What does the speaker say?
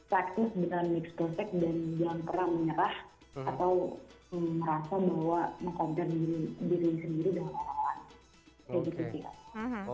faktis dengan mixed to sex dan jangan pernah menyerah atau merasa bahwa mengkompil diri sendiri dengan orang lain